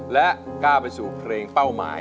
และไปถึงเก่าที่ประโยคของสุดท้าย